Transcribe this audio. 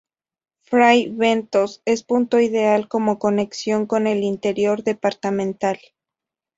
Fray Bentos es punto ideal como conexión con el interior departamental.